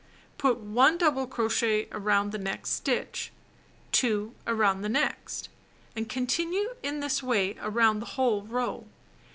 Put 1 double crochet around the next stitch; 2 around the next — and continue in this way around the whole row.